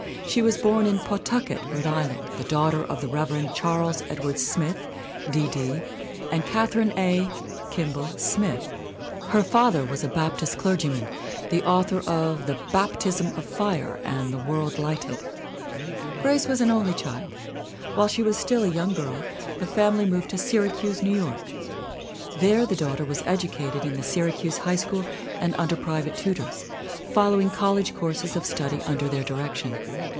She was born in Pawtucket, Rhode Island, the daughter of the Rev. Charles Ed wards Smith, D.D., and Catherine A. (Kimball) Smith. Her father was a Baptist clergyman, the au 248 THE WOMEN WHO MAKE OUR NOVELS thor of The Baptism of Fire and The World Lighted. Grace was an only child. While she was still a young girl the family moved to Syracuse, New York. There the daughter was educated in the Syracuse High School and under private tutors, following college courses of study under their direction.